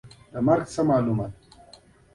له بریساګو نه دلته په بګۍ کې راغلو.